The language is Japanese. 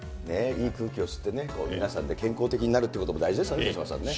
いい空気を吸ってね、皆さんで健康的になるということを大事ですよね、手嶋さんね。